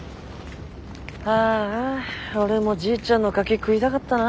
ああ俺もじいちゃんのカキ食いたかったな。